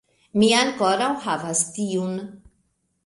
Mi ankoraŭ havas tiun